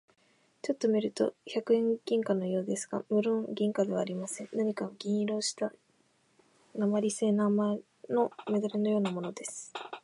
ちょっと見ると百円銀貨のようですが、むろん銀貨ではありません。何か銀色をした鉛製なまりせいのメダルのようなものです。